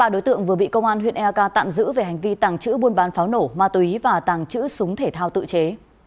ba đối tượng vừa bị công an huyện eak tạm giữ về hành vi tàng trữ buôn bán pháo nổ ma túy và tàng trữ súng thể thao tự chế